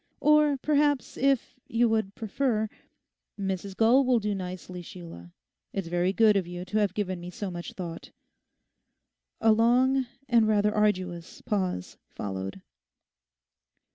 Or perhaps, if you would prefer—' 'Mrs Gull will do nicely, Sheila. It's very good of you to have given me so much thought.' A long and rather arduous pause followed.